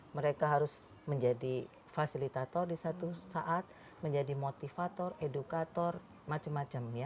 mereka harus menjadi fasilitator di satu saat menjadi motivator edukator macam macam